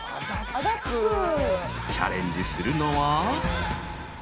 ［チャレンジするのは］